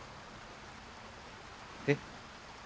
えっ？